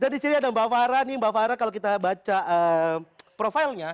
dan di sini ada mbak farah nih mbak farah kalau kita baca profilnya